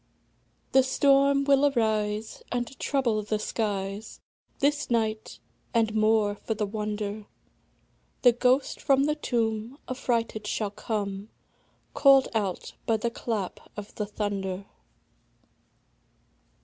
The storm will arise, And trouble the skies This night; and, more for the wonder, The ghost from the tomb Affrighted shall come, Call'd out by the clap of the thunder.